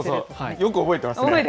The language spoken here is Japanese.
よく覚えてますね。